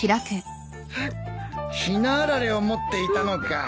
ひなあられを持っていたのか。